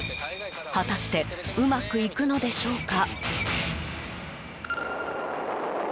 果たしてうまくいくのでしょうか？